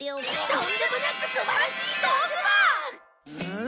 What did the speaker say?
とんでもなく素晴らしい道具だ！